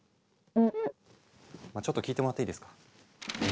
まちょっと聞いてもらっていいですか？